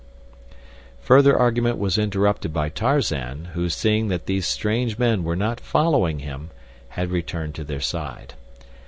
Further argument was interrupted by Tarzan, who, seeing that these strange men were not following him, had returned to their side.